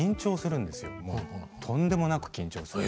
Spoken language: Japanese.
とんでもなく緊張する。